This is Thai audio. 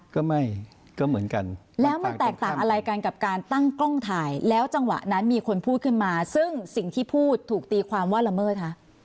ก็ไม่ก็เหมือนกันแล้วมันแตกต่างอะไรกันกับการตั้งกล้องถ่ายแล้วจังหวะนั้นมีคนพูดขึ้นมาซึ่งสิ่งที่พูดถูกตีความว่าละเมิดคะ